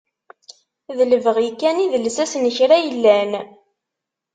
D lebɣi kan i d lsas n kra yellan.